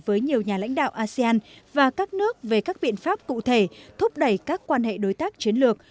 với nhiều nhà lãnh đạo asean và các nước về các biện pháp cụ thể thúc đẩy các quan hệ đối tác chiến lược